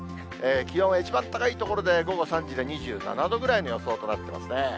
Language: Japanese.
気温は一番高い所で午後３時で２７度ぐらいの予想となってますね。